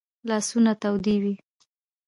لاسونه تودې وي